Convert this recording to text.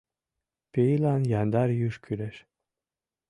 — Пийлан яндар юж кӱлеш.